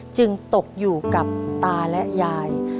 จึงตกอยู่กับตาและยาย